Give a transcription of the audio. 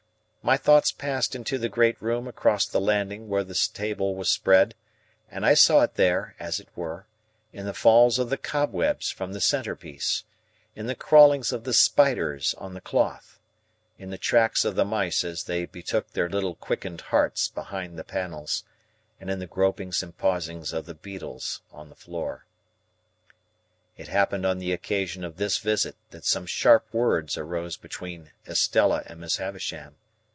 My thoughts passed into the great room across the landing where the table was spread, and I saw it written, as it were, in the falls of the cobwebs from the centre piece, in the crawlings of the spiders on the cloth, in the tracks of the mice as they betook their little quickened hearts behind the panels, and in the gropings and pausings of the beetles on the floor. It happened on the occasion of this visit that some sharp words arose between Estella and Miss Havisham.